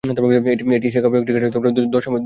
এটি Asia Cup ক্রিকেটের দশম আসর ছিল।